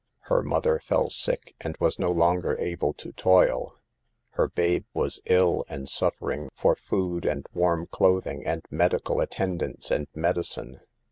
Her mother fell sick and was no longer able to toil; her babe was ill and suffering for food, and warm clothing, and medical attendance and medicine.